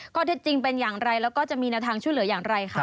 ข้อเท็จจริงเป็นอย่างไรแล้วก็จะมีแนวทางช่วยเหลืออย่างไรคะ